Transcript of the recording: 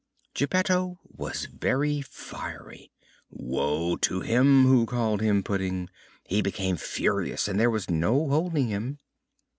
Geppetto was very fiery. Woe to him who called him Pudding! He became furious and there was no holding him.